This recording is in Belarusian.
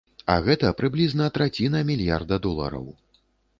А гэта прыблізна траціна мільярда долараў.